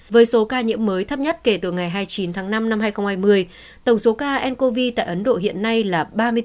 với số ca nhiễm mới thấp nhất kể từ ngày hai mươi chín tháng năm năm hai nghìn hai mươi tổng số ca ncov tại ấn độ hiện nay là ba mươi bốn năm trăm ba mươi sáu bốn trăm tám mươi